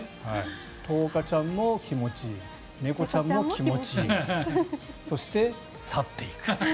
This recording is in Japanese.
とうかちゃんも気持ちいい猫ちゃんも気持ちいいそして、去っていく。